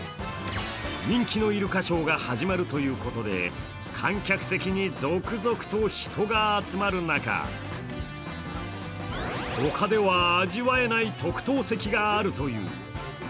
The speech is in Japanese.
人気のイルカショーが始まるということで観客席に続々と人が集まる中他では味わえない特等席があるという。